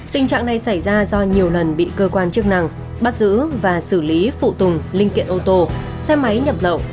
tình trạng này xảy ra do nhiều lần bị cơ quan chức năng bắt giữ và xử lý phụ tùng linh kiện ô tô xe máy nhập lậu